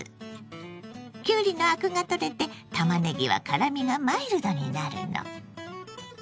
きゅうりのアクが取れてたまねぎは辛みがマイルドになるの。